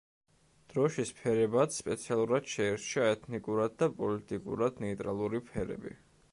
დროშის ფერებად სპეციალურად შეირჩა ეთნიკურად და პოლიტიკურად ნეიტრალური ფერები.